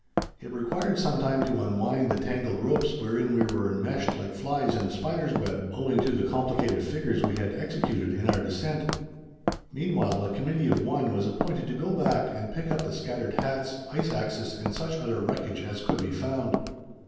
It required some time to unwind the tangled ropes wherein we were enmeshed like flies in a spider's web, owing to the complicated figures we had executed in our descent. Meanwhile, a committee of one was appointed to go back and pick up the scattered hats, ice axes, and such other wreckage as could be found.